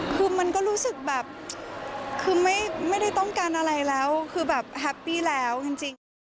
คือมันก็รู้สึกแบบคือไม่ได้ต้องการอะไรแล้วคือแบบแฮปปี้แล้วจริง